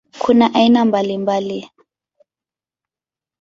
Kuna aina mbalimbali.